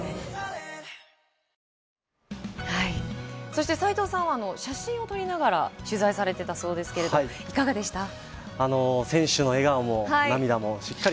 そして斎藤さんは写真を撮りながら取材されていたそうですが、いかがでしたか。